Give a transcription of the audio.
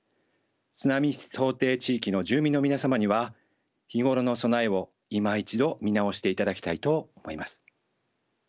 津波想定地域の住民の皆様には日頃の備えをいま一度見直していただきたいと思います。